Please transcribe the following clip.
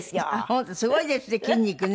本当すごいですね筋肉ね。